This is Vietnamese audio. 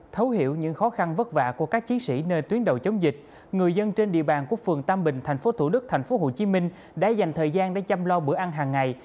thấu hiểu những khó khăn vất vả của các chiến sĩ nơi tuyến đầu chống dịch người dân trên địa bàn quốc phường tam bình thành phố thủ đức thành phố hồ chí minh đã dành thời gian để chăm lo bữa ăn hàng ngày